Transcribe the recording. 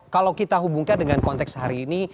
kalau kita hubungkan dengan konteks hari ini